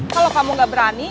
kalau kamu gak berani